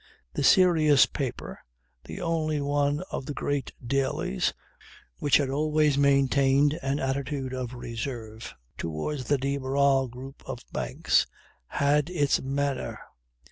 The serious paper, the only one of the great dailies which had always maintained an attitude of reserve towards the de Barral group of banks, had its "manner."